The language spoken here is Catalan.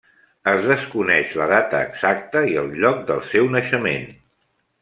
Es desconeix la data exacta i el lloc del seu naixement.